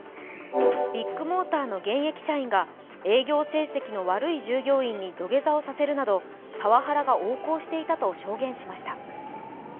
ビッグモーターの現役社員が営業成績の悪い従業員に土下座をさせるなど、パワハラが横行していたと証言しました。